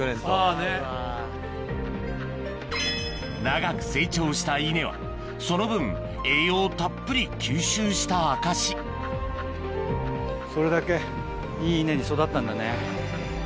長く成長した稲はその分栄養をたっぷり吸収した証しそれだけいい稲に育ったんだね。